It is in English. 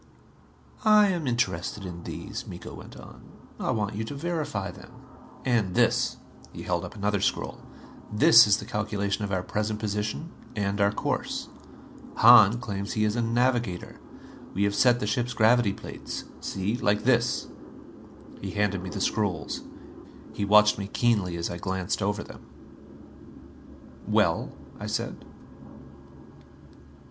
"I am interested in these," Miko went on. "I want you to verify them. And this." He held up another scroll. "This is the calculation of our present position and our course. Hahn claims he is a navigator. We have set the ship's gravity plates see, like this." He handed me the scrolls. He watched me keenly as I glanced over them. "Well?" I said.